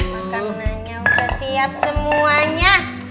makanannya udah siap semuanya